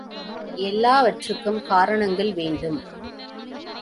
எல்லாவற்றுக்கும் காரணங்கள் வேண்டும்.